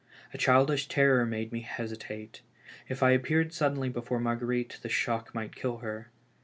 A childish terror made me hesitate. If I appeared suddenly before Mar guerite, the shock might kill her.